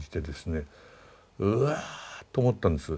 うわあと思ったんです。